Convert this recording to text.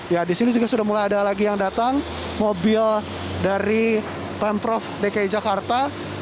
ya di sini juga sudah mulai ada lagi yang datang mobil dari pemprov dki jakarta